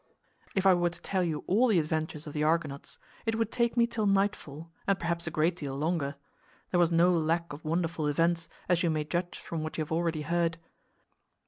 If I were to tell you all the adventures of the Argonauts it would take me till nightfall and perhaps a great deal longer. There was no lack of wonderful events, as you may judge from what you have already heard.